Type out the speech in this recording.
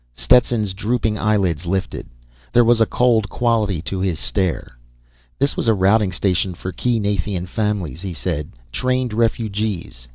Stetson's drooping eyelids lifted. There was a cold quality to his stare. "This was a routing station for key Nathian families," he said. "Trained refugees.